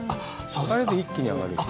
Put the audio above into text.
あれで一気に上がるって。